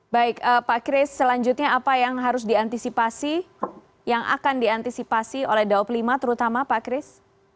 baik pak kris selanjutnya apa yang harus diantisipasi yang akan diantisipasi oleh daob lima terutama pak kris